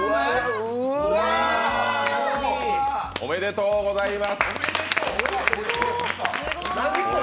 おめでとうございます。